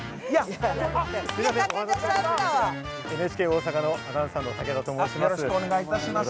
ＮＨＫ大阪のアナウンサーの武田と申します。